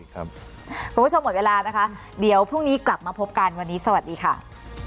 คุณผู้ชมหมดเวลานะคะเดี๋ยวพรุ่งนี้กลับมาพบกันวันนี้สวัสดีค่ะ